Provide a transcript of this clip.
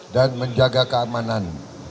dan menjaga keamanan